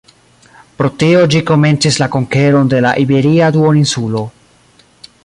Pro tio ĝi komencis la konkeron de la iberia duoninsulo.